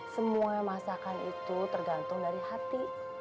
semua masakan itu tergantung dari hati